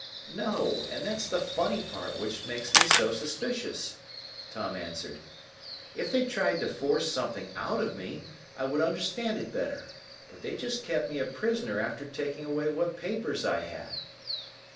"No; and that's the funny part which makes me so suspicious," Tom answered. "If they'd tried to force something out of me, I would understand it better. But they just kept me a prisoner after taking away what papers I had."